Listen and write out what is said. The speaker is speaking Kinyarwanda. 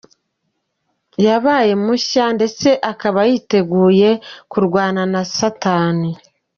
com ko ubu yabaye mushya ndetse akaba yiteguye kurwana na satani.